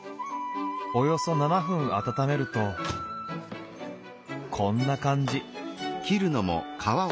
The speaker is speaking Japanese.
およそ７分温めるとこんな感じ。